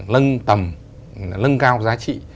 lâng tầm lâng cao giá trị